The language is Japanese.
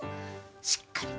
しっかりね。